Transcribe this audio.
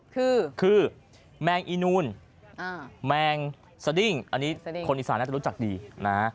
คือคือแมงอีนูนแมงสดิ้งอันนี้คนอีสานน่าจะรู้จักดีนะ